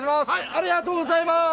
ありがとうございます。